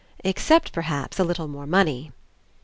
Except, perhaps, a little more money."